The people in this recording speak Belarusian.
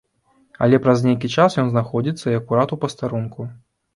Але праз нейкі час ён знаходзіцца, і акурат у пастарунку.